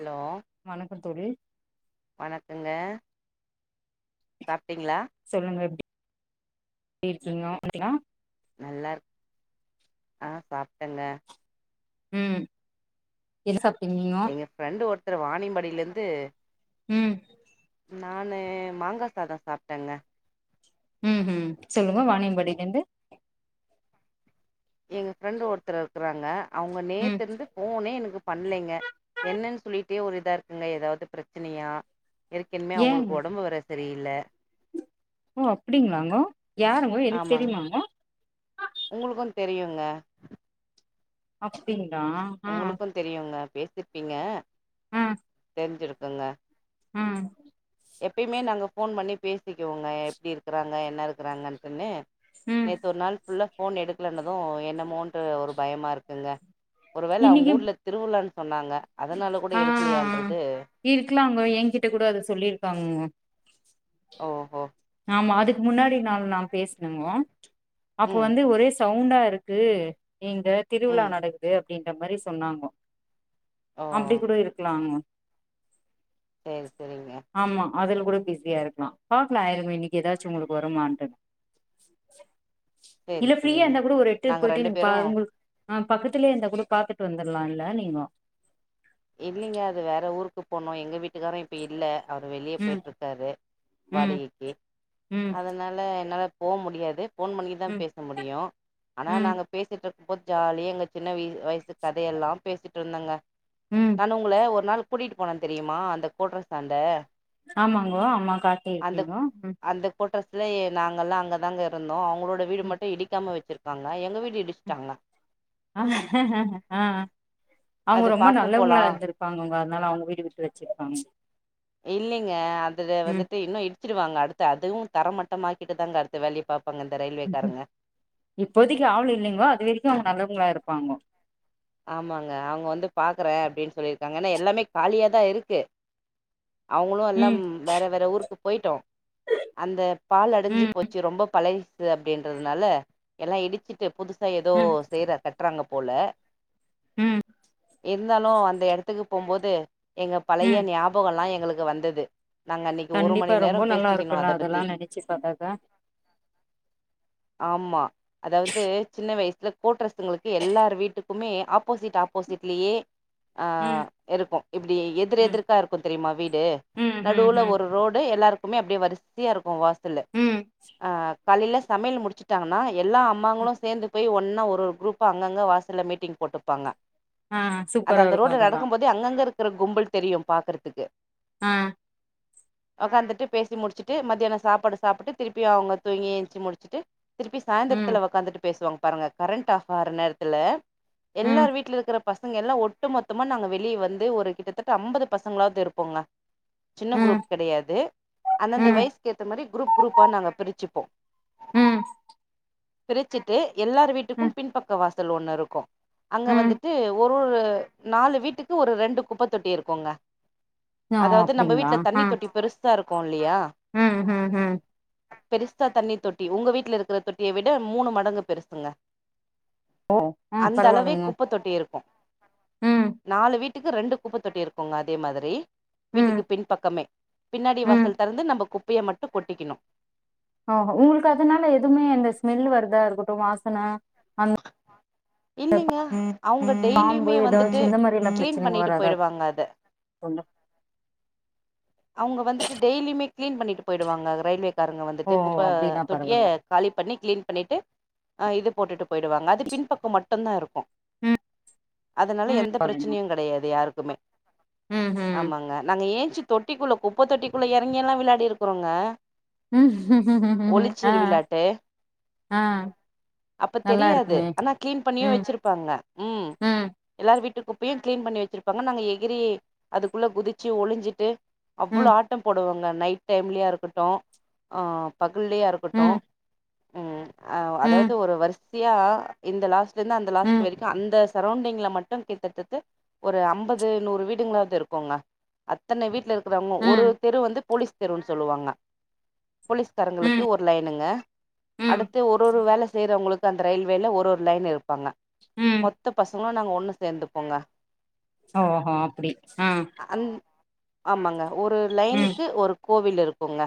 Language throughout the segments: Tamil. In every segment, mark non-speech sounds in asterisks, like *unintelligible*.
ஹலோ வணக்கம் தோழி வணக்கங்க *unintelligible* சொல்லுங்க எப்டி இருக்கீங்க *unintelligible* நல்லா இருக் ஆஹ் சாப்டங்க ம் இல் ச எங்க ஃப்ரெண்டு் ஒருத் ச வாணிம்பாடிலருந்து உம் நானு மாங்கா சாதோ சாப்ட்டேங்க உம் ஹும் சொல்லுங்க வாணியம்பாடிலந்து எங்க ஃப்ரெண்டு் ஒருத்தர் இருக்கறாங்க அவங்க ம் நேத்து இருந்து ஃபோனே எனக்கு பண்லைங்க என்னன்னு சொல்லிட் *unintelligible* ஒரு இதா இருக்குங்க ஏதாவது பிரச்சனையா ஏர்கன்மே ஏங்க அவங்ளுக்கு ஒடம்பு வேற தெரியில ஓ அப்டிங்களாங்கோ யாருங்கோ எனக்கு தெரியுமாங்கோ உங்களுக்கும் தெரியுங்க அப்பயே உங்களுக்கும் தெரியுங்க பேசிருப்பீங்க ம் தெரிஞ்சிருக்குங்க ம் எப்பயுமே நாங்க ஃபோன் பண்ணி பேசிக்குவங்க எப்டி இருக்கறாங்க என்ன இருக்கறாங்கன்ட்டுன்னு ம் நேத்து ஒரு நாள் ஃபுல்லா ஃபோன் எடுக்கலனது என்னமோன்ட்டு ஒரு பயமா இருக்குங்க ஒரு வேளை அவங்க இன்னைக்கு ஊர்ல திருவிழான் சொன்னாங்க அதனால கூட ஆ எடுக்கலையான்றது இருக்கலாங்க என்கிட்ட கூட அத சொல்லிருக்காங்க ஓஹோ ஆமா அதுக்கு முன்னாடி நா நா பேசணுங்கோ அப்ப ம் வந்து ஒரே சவுண் குண்டா இருக்கு இங்க திருவிழா ம் நடக்து அப்டின்ற மாரி சொன்னாங்கோ ஓ அப்டி கூட இருக்கலாங்க செரி செரிங்க ஆமா அதுல கூட பிஸியா இருக்கலா பாக்கலா ஆயிருங்க இன்னைக்கு ஏதாச்சு உங்களுக்கு வருமான்ட்டுனு சேரி இல்ல ஃப்ரீயா சேரிங்க இருந்தா கூட ஒரு எட்டுக்கு நாங்க போயிட்டு ரெண்டு நீங்க பேரு பா உங்களுக்கு ஆ பக்கத்துலயே இருந்தா கூட பாத்துட்டு வந்தரலா இல்ல நீங்கோ இல்லைங்க அது வேற ஊருக்கு போனோ எங்க வீட் வீட்டுக்கார்ரும் இப்ப இல்ல அவர் வெளிய ம் போயிட்ருக்காரு ம் வாடகைக்கி ம் அதனால என்னால போக முடியாது ஃபோன் பண்ணிதா ம் பேச முடியு ஆனா ம் நாங்க பேசிட்ருக்கும் போது ஜாலியா எங்க சின்ன வய வயசு கதையெல்லா பேசிட்ருந்தங்க ம் நானு உங்கள ஒரு நாள் கூட்டிட்டு போனே தெரியுமா அந்த கோட்ரஸாண்ட ஆமாங்கோ அம்மா காட்டி இருக்கீங்கோ ம் இல்லையே நாங்கெல்லா அங்கதாங்க இருந்தோ அவங் உங்களோட வீடு ம் மட்டு இடிக்காம வச்சிருக் தாங்க எங்க வீட் ம் ஆ அவங்க அது ரொம்ப நல் பாக்க போலா நல்லவங்களா இருந்திருப்பாங்க அவுங்க அதனால அவுங்க வீடு விட்டு வச்சிருக்காங் இல்லைங்க அதுல வந்துட்டு இன்னு இடிச்சுடுவாங்க அடுத்து அதுவு தர மட்டமாக்கிட்டு தாங்க அடுத்த வேலையே பாப் இப்போதைக்கு ஆள் இல்லைங்கோ அதுவரைக்கும் அவங்க நல்லவங்களா இருப்பாங்கோ ஆமாங்க அவங்க வந்து பாக்குறேன் அப்படின்னு சொல்லிருக்காங்க ஏன்னா எல்லாமே காலியாதான் இருக்கு அவங்களு எல்லாம் ம் வேற வேற ஊருக்கு போய்ட்டோம் அந்த பாழடைஞ்சு ம் போச்சு ரொம்ப பழஸ் *unintelligible* அப்டின்றதுனால எல்லாம் இடிச்சுட்டு புதுஸ் ஏதோ ம் செய்ற க றாங்க போல ம் இருந்தாலு அந்த எடத்துக்கு போம்போது து எங்க பழைய ம் ஞாபகம் எல்லாம் எங்களுக்கு கு வந்தது நாங்க அன்னைக்கு ஒரு மணி கண்டிப்பா ரொம்ப நேரம் நல்லா பேசிக்கணும் இருக்குல்ல அத அதெல்லா பத்தி நெனைச்சு பாத்தாக்கா ஆமா அதாவது சின்ன வயசு இதுல கோட்ரஸ் சுங்களுக்கு எல்லார் வீட்டுக் *unintelligible* ஆப்போசிட் ஆப்போசிட்லயே ஆ ம் இருக்கு இப்டி எதிர் ம் எதிர்க்கா இருக்கும் தெரியுமா வீடு ம் ம் நடுவுல ம் ஒரு ரோடு எல்லார் மே அப்டி வரிசியா இருக்கும் வாஸ் இல்ல ம் ஆ காலைல சமையல் முடிச்சிட்டாங்கன்னா எல்லா ம். அம்மாங்களும் சேந்து போய் ஒண்ணா ஒரு ஒரு குரூப்பா அங்கங்க வாசல்ல மீட்டிங் போட்டுப் பாங்க ஆ அது சூப்பரா அந்த இருக்கு ரோடுல அதெல்லா நடக்கும் போதே அங்கங்க இருக் இருக்கிற கும்பல் தெரியும் பாக்கறதுக்கு ஆ உக்காந்துட்டு பேசி முடிச்சிட்டு மத்தியானம் சாப்பாடு சாப்பிட்டு திருப்பியும் அவங்க தூங்கி எச்சி முடிச்சிட்டு திருப்பி ம் சாய்ந்திரத்துல உக்காந்துட்டு பேசுவாங்க பாருங்க கரண்ட் ஆஃப் ஆகற நேரத்துல ம் எல்லாரு வீட்ல இருக்கற பசங்க எல்லா ஒட்டு மொத்தமா நாங்க வெளிய வந்து ஒரு கிட்டத்தட்ட அம்பது பசங்களாவது இருப்போங்க சின்ன ம் குரூப் கிடையாது ம் அந்தந்த வயசுக்கு எத்த மாரி குரூப் குரூப்பா நாங்க பிரிச்சிப்போம் ம் பிரிச்சிட்டு த்து எல்லார் ம் வீட்டுக்கும் பின்பக்க வாசல் ஒண்ணு இருக்கும் அங்க ம் வந்துட்டு ஒரு ஒரு நாலு வீட்டுக்கு ஒரு ரெண்டு குப்ப தொட்டி இருக்குங்க ஓ அதாவது நம்ம அப்டிங்களா வீட்டு்ல ஆ தண்ணி தொட்டி பெருசாருக்கோம் இல்லயா ம் ம் ம் பெருசா தண்ணி தொட்டி உங்க வீட்ல இருக்கற தொட்டிய விட மூணு மடங்கு பெருசுங்க ஓ அன் பரவால்ல வே குப்ப தொட்டிய இருக்கும் நாலு வீட் க்கு ரெண்டு குப்ப தொட்டி இருக்குங்க அதே மாதிரி ம் வீட்டுக்கு பின் பக்கமே பின்னாடி ம் வாசல் தெறந்து நம்ப குப் ப்பய மட்டும் கொட்டிக்கணு ஆஹ் ஹோ உங்ளுக்கு அதனால எதுமே அந்த ஸ்மெல் வருதா இருக்கட்டும் வாசன அந்த இல்லிங்க அவங்க பாம்பு டெய்லியுமே ஏதாச்சு வந்துட்டு இந்த மாரி எல்லா கிளீன் பிரச்சனைங்க பண்ணிட்டு வராதா போயிடுவாங்க அத அவங்க வந்துட்டு டெய்லிமே கிளீன் பண்ணிட்டு போயிடுவாங்க அது ரயில்வேக் காரங்க ஓ வந்துட்டு குப்ப அப்டின்னா தொட்டிய பரவால்ல காலி பண்ணி கிளீன் பண்ணிட்டு இது போட்டுட்டு போய்டுவாங்க அது பின்பக்கம் மட் ட்டும்தான் இருக்கும் ம் அதனால ம் எந்த பிரச்சனையுங் கெடையாது யாருக்குமே ம் ம் ஆமாங்க நாங்க ஏஞ்சி தொட்டிக்குள்ள குப்ப தொட்டிக்குள்ளே எறங்கியல்லாம் விளாடி இருக்ருறோங்க ம் ஆ ஒளிச்சிரு விளாட்டு ஆ அப்ப நல்லா தெரியாது இருக்குமே ஆனா கிளீன் பண்ணியு ம் வச்சிருப்பாங்க ம் எல்லாரு வீட்டுக் குப்பையும் க்ளீன் பண்ணி வச்சுருப்பாங்க நாங்க எகிறி அதுக்குள்ள குதிச்சி ஒளிஞ்சிட்டு அவ்ளோ ம் ஆட்டம் போடுவோ அங்க நைட் டைம்லயா இருக்கட்டு ஆ பகல்லயா இருக்கட்டு ம் ஹும் அ ம் அதாவது ஒரு வரிசையா இந்த லாஸ்ட்ல இருந்து அந்த லாஸ்ட்ல ம் வரைக்கும் அந்த சரவுண்டிங்ல மட்டும் கிட்டதட்ட ஒரு அம்பது நூறு வீடுங்களாவது இருக்குங்க அத்தனை வீட்டுல இரு றாங்க ஒரு ம் தெரு வந்து போலீஸ் தெருன்னு சொல்லுவாங்க போலீஸ்காரங்களுக்கு ம் ஒரு லைனுங்க ம் அடுத்து ஒரு ஒரு வேல செய்யறவங்களுக்கு *unintelligible* அந்த ரயில்வேல ஒரு ஒரு லைன் இருப்பாங்க ம் மொத்த பசங்க நாங்க ஒண்ணு சேர்ந்து போங்க ஓஹோ அப்டி ஆஹ் அந் ஆமாங்க ஒரு லைனுக்கு ஒரு கோவில் இருக் க்கோங்க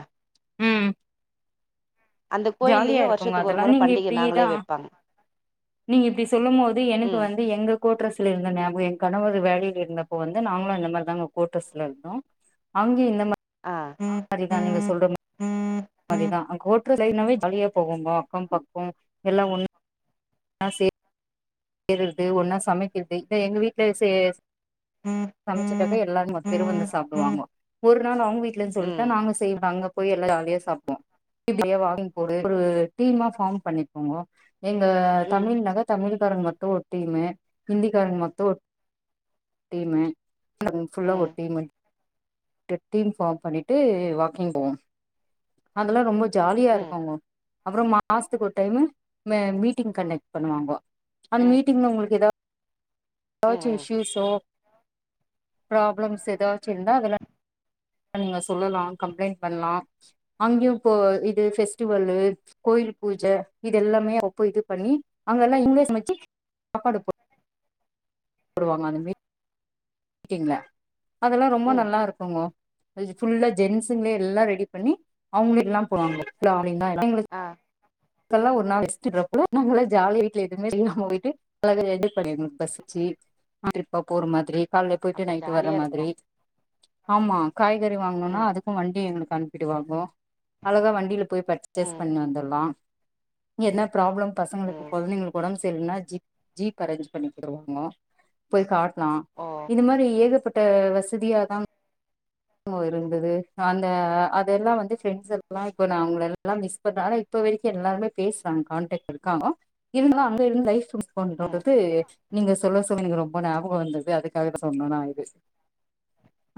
உம் அந்த ஜாலியா கோயில்லயு இருக்குங்க வருஷத்துக்கு ஒரு அதெல்லாம் முற நீங்க பண்டிக நாங்களே இப்படிதான் வெப்பாங்க நீங்க இப்படி சொல்லும் போது எனக்கு ம் வந்து எங்க கூட்ற *unintelligible* இருந்த ஞாபகம் என் கணவர் வேலையில் இருந்தப்ப வந்து நாங்களும் இந்த மாதிரி தாங்க கோட்டர்ஸ் இருந்தோம் அங்கே இந்த மாதிரி ஆ ம் சரிதான் நீங்க ம் சொல்ற *unintelligible* ம் ம் *unintelligible* ஜாலியா போகும்போ அக்கம் பக்கம் எல்லாம் ஒண்ணு ஆ சே *unintelligible* ஒன்னா சமைக்கது இ எங்க வீட்டுல சே ம் சமைச்சுட்டாக்கா எல்லாரரும் பெரு வந்து சாப்பிடுவாங்க ஒரு நாள் அவங்க வீடலந்து சொல்லிட்டு தான் நாங்க செய்லா போய் எல்லாம் ஜாலியா சாப்டோம் இப்படியா வாக்கிங் போடு ஒரு டீமா ஃபார்ம் பண்ணிப்போங்க எங்க ம் தமிழ்னக்க தமிழ் *unintelligible* ட்டும் ஒரு டீம்மு இந்தஹிக்காரங்க மொத்தோ டீம்மு ஃபுல்லா ஒரு டீம் *unintelligible* டீம் ஃபார்ம் பண்ணிட்டு வாக்கிங் போவோம் அதெல்லாம் ரொம்ப ஜாலியா இருக்காங்க அப்புறம் மாசத்துக்கு ஒரு டைமு மே மீட்டிங் கண்டக்ட் பண்ணுவாங்க அந்த மீட்டிங்ல உங்ளுக்கு ஏதாவ் ம் *unintelligible* ப்ராப்ளம்ஸ் ஏதாச்சி இருந்தா *unintelligible* நீங்க சொல்லலாம் கம்ப்ளைண்ட் பண்லாம் அங்கேயும் இப்போ இது பெஸ்டிவல்லு கோயில் பூஜை இது எல்லாமே அப்ப இது பண்ணி அங்க எல்லாம் இங்கேஷ் சமைச்சு சாப்பாடு போ *unintelligible* *unintelligible* அதெல்லாம் ரொம்ப ம் நல்லா இருக்குங்கோ *unintelligible* ஃபுல்லா ஜென்ட்ஸுங்களே எல்லாம் ரெடி பண்ணி அவங்க எல்லாம் போவாங்க *unintelligible* ஆ *unintelligible* கால்ல போயி்ட்டு அப்ப நைட்டு வர்ர ஜாலியா இருக்கு மாதிரி ஆமாம் காய்கறி வாங்கணும்னா ம் அதுக்கும் வண்டி எங்களுக்கு அனுப்பிடு வாங்க அழகா வண்டில போய் பர்ச்சேஸ் ம் பண்ணி வந்துடலாம் என்ன ப்ராப்ளம் பசங்களுக்கு ம் குழந்தைங்களுக்கு உடம்பு சரில்லனா ஜீப்-ஜீப் அரேஞ்ச் பண்ணி *unintelligible* போய் கா லா ஓ இது மாரி ஏகப்பட் ட வசதியாதான் *unintelligible* இருந்தது அந்த அதெல்லாம் வந்து பிரெண்ட்ஸ் சர்க்களா இப்ப நா அவங்கள எல்லாம் மிஸ் பண்ற ஆன இப்ப வரைக்கும் எல்லாருமே பேசுறாங்க கான்டெக் இருக்காங்கோ இருந்தாலு அங்க இருந்தா லைப் மிஸ் பண்றோ ம் *unintelligible* நீங்க சொல்ல-சொல்ல ரொம்ப ஞாபக வந்தது அதுக்காக தா சொன்ன நா இது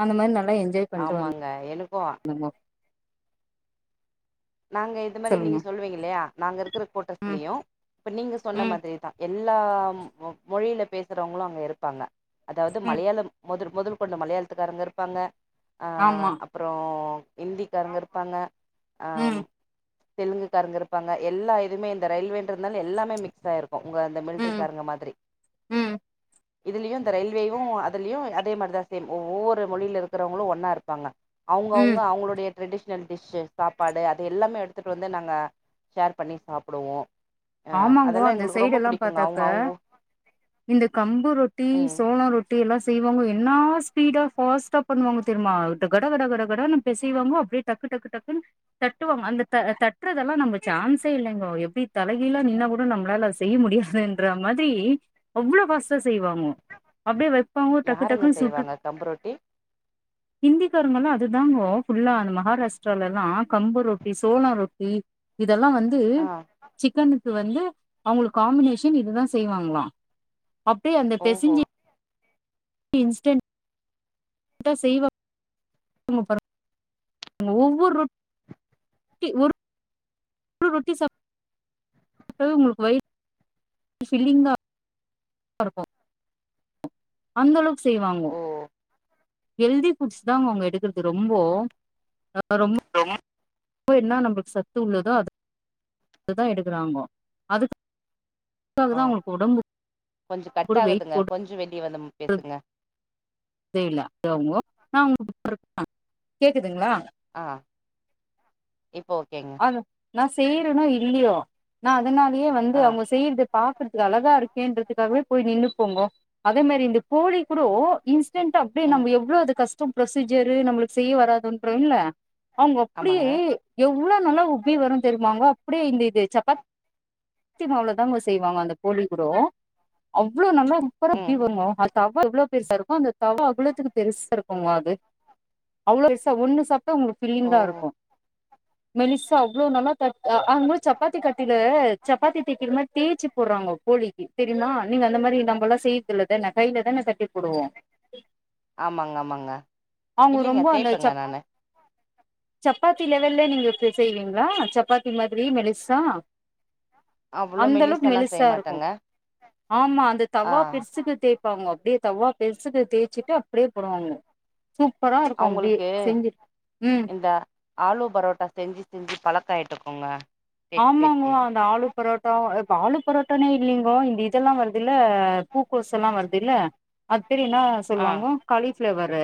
அந்த மாதிரி நல்லா எ ஆமாங்க எனக் *unintelligible* நாங்க இது மாதிரி சொல்லுங்க நீங்க சொல்வீங்க இல்லையா நாங்க இருக்கிற ம் கோட்ரஸ்லயு இப்ப நீங்க சொன்ன ம் மாதிரிதான் எ எல்லா மொ-மொழியில பேசுறவங்களும் அங்க இருப்பாங்க அதாவது ம் மலையாளம் முத முதல் கொண்ட மலையாளத்துக்காரங்க இருப்பாங்க ஆமா அஹ் அப்புறம் இந்திக்காரங்க இருப்பாங்க ஆம் ம் தெலுங்குக்காரருங்க இருப்பாங்க எல்லா இதுவுமே இந்த ரயில்வேன்றந்தால எல்லாமே மிக்ஸ் ஆயிருக் ஒ உங்க அந்த ம் மிலிட்ரிக்காரங்க மாதிரி ம் இதுலயு இந்த ரயில்வேயு அதுலயு அதே மாரிதா சேம் ஒவ்வொரு மொழியில இருக்கிறவங்களும் ஒன்னா இருப்பாங்க அவுங்க-அவுங்க ம் அவங்களுடைய ட்ரெடிஷ்னல் டிஷ்ஷு சாப்பாடு அது எல்லாமே எடுத்துட்டு வந்து நாங்க ஷேர் பண்ணி சாப்பிடுவோ ஆ ஆமாங்கோ அதெல்லா அந்த எங்களுக்கு சைடு ரொம்ப எல்லா பிடிக்குங்க பாத்தாக்க அவங்க அவங்க இந்த கம்பு ரொட்டி ம் சோள ரொட்டி எல்லா செய்வாங்க என்னா ஸ்பீடா ஃபாஸ்டா பண்ணுவாங்க தெரியுமா கட-கட-கட கடகன்னு பெசிவாங்க அப்டியே டக்கு-டக்கு டக்குனு தட்டுவாங்க அந்த த-தட்றதெல்லாம் நம்ம சான்ஸே இல்லைங்கோ எப்டி தா தலைகீழா நின்னா கூட நம்ளால செய்ய முடியாதுன்ற மாதிரி அவ்ளோ ஃபாஸ்டா செய்வாங்கோ அப்டியே வைப்பாங்கோ யாருங்க டக்கு-டக்குன்னு சுட்டு செய்வாங்க கம்பு ரொட்டி ஹிந்திக்காரங்கல்லா அதுதாங்கோ ஃபுல்லா அந்த மகாராஷ்டிரால எல்லா கம்பு ரொட்டி சோள ரொட்டி இ இதெல்லா வந்து ஆ சிக்கனுக்கு வந்து அவங்களுக்கு காம்பினேஷன் இதுதா செய்வாங்களா அப்டே அந்த ஓஹோ பெசிஞ்சி இன்ஸ்டன்ட் *unintelligible* செய்வா *unintelligible* அங்க ஒவ்வொரு ரொ கி ஒரு ஒரு ரொட்டி சாப் இப்பவே உங்களுக்கு வயி ஃபில்லிங்கா *unintelligible* அந்த அளவுக்கு செய்வாங்கோ ஓ ஹெல்தி புட்ஸ் தான் அவங்க எடுக்கறது ரொம்போ அ இப்போ என்ன நம்ளுக்கு சத்து உள்ளதோ அது அதுதான் எடுக்குறாங்கோ அதுக்கு அதுக்காகதான் அவங்களுக்கு உடம்பு கொஞ்சம் கட் ஆகுதுங்க கொஞ்சம் வெளிய வந்து பேசுங்க *unintelligible* ஆ கேக்குதுங்ளா ஆஹ் ஆ நா செய்றனோ இல்லியோ நாள் அதனாலயே வந்து ஆ அவங்க செய்றது பா கொஞ்றதுக்கு அழகா இருக் *unintelligible* ன்றதுக்காகவே போய் நின்னு போங்கோ அத் அந்மாதிரி இந்த கோழி கூடோ இன்ஸ்டன்ட் அப்டியே ம் நம்ம எவ்வளவு அது கஷ் ப்ரொசீஜரு நம்மளுக்கு செய்ய வராதுன்றோல்ல அவங்க அப்டியே ஆமாங்க எவ் உப்பி வரும் தெரிமாங்க அப்டியே இது இந்த சப்பாத்தி் சப்பாத்தி மாவுலதான் செய்வாங்க அந்த போலி கூடோ அவ் வ்ளோ நல்லா சூப்பரா உப்பி ம் வருங்கோ அந்த தவா எவ்வளவு பெருசா இருக்கோ அந்த தவா அவ்ளத்துக்கு பெருசா இருக்குங்க அது அவ்வளவு பெருசா ஒண்ணு சாப்பிட்டா உங்ளுக்கு பில்லிங்கா ஓஹோ இருக்கும் மெலிசா அவ்வளவு நல்லா அ அவங்க சப்பாத்தி கட்டிலே சப்பாத்தி தேக்கிற மாதிரி தேய்ச்சு போட்றாங்கோ கோழிக்கு தெரிமா நீங்க அந்த மாதிரி நம்மெல்லாம் செய்றதுல‌ தானே கையிலதான் என் தட்டி போடுவோ ஆமாங்க ஆமாங்க இல்லிங்க தேய்ப்பேங்க நானு சப்பாத்திலெவல்லே நீங்க த்து செய்வீங்ளா சப்பாத்தி மாதிரி மெலிசா அவ்ளோ அந்த அளவுக்கு மெலிசாலா செய்ய மெலிசா இருக்கும் மாட்டேங்க ஆமா அந்த ஆ தவா பெருசுக்கு தேய்ப்பாங்க அப்டியே தவா பெருசுக்கு தேய்ச்சுட்டு அப்டியே போடுவாங்க சூப்பரா இருக்கும் அப்டியே அவங்களுக்கு செஞ்சிரு உம் இந்த ஆலு பரோட்டா செஞ்சு செஞ்சு பழக்கம் ஆயிட்டுருக்கோங்க ஆமாங்கோ அந்த ஆலுபரோட்டா இப்ப ஆலு பரோட்டானே இல்லிங்கோ இந்த இதெல்லாம் வருது இல்ல பூக்கோசுல்லாம் வருது இல்ல அ பேர் என்ன ஆ சொல்லுவாங் கோ காலிஃப்ளவர்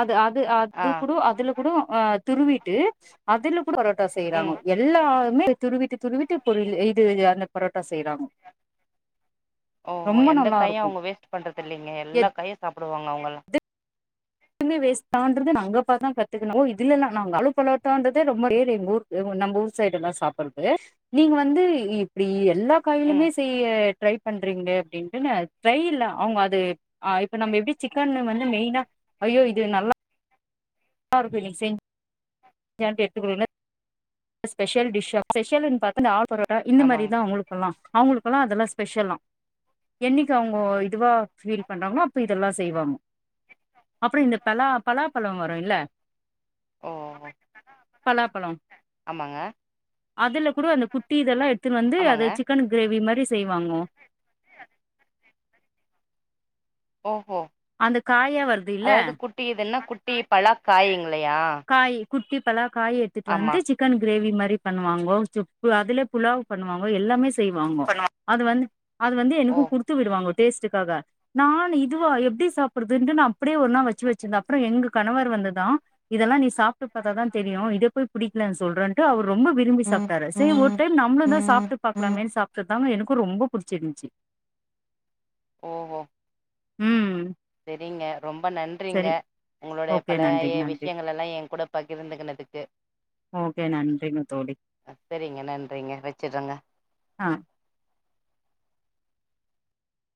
அது அ அ ஆ அது கூட அதுல கூட அஹ் அது துருவிட்டு அதுல பரோட்டா செய்றாங்க ம் எல்லா இனிமேலு துருவிட்டு -துருவிட்டு பொரு இது அந்த பரோட்டா செய்யறாங்க ஓ எந்த காயும் அவங்க வேஸ்ட் பண்றது இல்லங்க எ எல்லா காயும் சாப் போடுவாங்க அவங்கல்லாம் இதுபவேஸ்ட்தான் அங்கப்பாதான் கத்துக்கணும் இதுல்லாம் நாங்க அலப்பலட்டன்றதே ரொம்ப பேர் எங்கஊர் நம்ம ஊர் சைடு எல்லாம் சாப்பிடுறது நீங்க வந்து இப்டி எல்ல ம் காயிலுமே செய்ய டரை பண்றீங்க அப்டின்ட்டு டரை இல அவங்க அது ஆ இப்ப நம்ம எப்டி சிக்கன் வந்து மெயினா ஐயோ இது நல்ல *unintelligible* *inaudible* எட்டுக்குள்ள ஸ்பெஷல் டிஷ் ஸ்பெஷல்னு பாத்தா பரோட்டா இந்த ஆமாங்க மாரிதான் அவங்களுெல்லாம் அவங்களுக்கெல்லாம் அதெல்லாம் ஸ்பெஷலாம் என்னைக்கு அவங்க இதுவா ஃபீல் பண்றாங்களோ அப்போ இதெல்லாம் செய்வாங்க அப்டி இந்த பலா பலாப்பழம் வரும் இல்ல ஓஹோ பலாப்பழ் ஆமாங்க அதுல கூட அந்த குட்டி இதெல்லாம் எடுத்துட் வந்து ஆமாங்க அதுல சிக்கன் கிரேவி மாரி செய்வாங்க ஓ அந்த காயா வருது இல்ல காய்ங் இல்லையா காய் குட்டி பலா காய் எடுத்துட்டு வந்து சிக்கன் கிரேவி மாரி *inaudible* பண்ணுவாங்கே துப்பு அதுல புலாவ் பண்ணுவாங்கே எல்லாமே செய்வாங்கோ அது வந்து அது வந்து ஓ எனக்கும் குடுத்து விடுவாங்கோ டேஸ்ட்டுக்காக நான் இதுவா எப்டி சாப்பிடுறதுட்டு நான அப்டியே ஒர் நாள் வச்சு வச்சிருந்தேன் அப்பறம் எங்க கணவர் வந்துதான் இதெல்லாம் நீ சாப்ட்டு பாத்தாதான் தெரியும் இதை போய் புடிக்கடலன்னு சொல்றேன்ட்டு அவ ரொம்ப விரும்பி சாப்டாரு சரி ஒரு டைம் நம்மளும் தான் சாப்பிட்டு பாக்கலாமேனு சாப்பிடு அதாங்க எனக்கு ரொம்ப பிடிச்சிருந்துச்சு ஓ ஹோ செரிங்க ரொம்ப நன்றிங்க சரி உங்களுடைய ஓகே நன்றி பழைய நன்றி விஷயங்கள் எல்லாம் என் கூட பகிர்ந்துகனதுக்கு ஓகே நன்றிங்க தோழி சரிங்க நன்றிங்க வச்சறேங்க ஆ